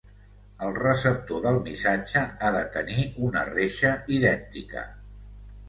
El receptor del missatge ha de tenir una reixa idèntica.